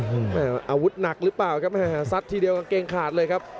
อาวุธหนักหรือเปล่าครับซัดทีเดียวกางเกงขาดเลยครับ